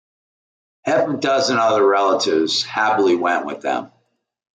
Half a dozen other relatives happily went with them.